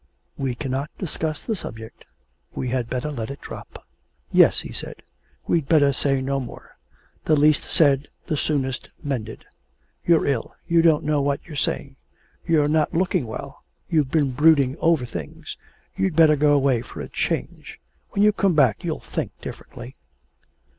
'We cannot discuss the subject. We had better let it drop.' 'Yes,' he said, 'we'd better say no more; the least said the soonest mended. You're ill, you don't know what you're saying. You're not looking well; you've been brooding over things. You'd better go away for a change. When you come back you'll think differently.'